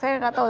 saya nggak tahu